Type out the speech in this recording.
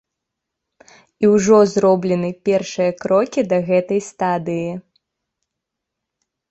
І ўжо зроблены першыя крокі да гэтай стадыі.